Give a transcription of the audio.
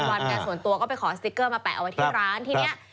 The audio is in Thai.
วันส่วนตัวก็ไปขอสติ๊กเกอร์มาแปะเอาไว้ที่ร้านทีนี้